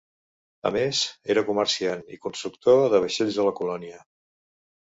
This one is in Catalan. A més, era comerciant i constructor de vaixells a la colònia.